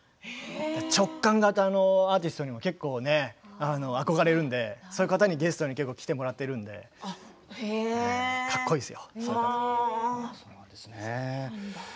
直感型のアーティストに結構憧れるんでそういう方に結構ゲストに来てもらっているのでかっこいいですよ。